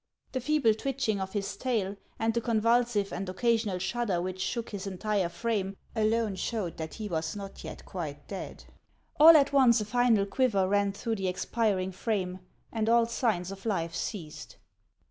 The feeble twitching of his tail and the convulsive and occasional shudder which shook his entire frame, alone si lowed that he was not yet quite dead. All at once a final quiver ran through the expiring frame, and all signs of life ceased.